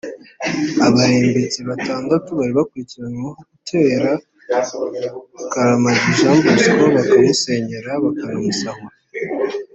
Abarembetsi batandatu bari bakurikiranyweho gutera Karamage Jean Bosco bakamusenyera bakanamusahura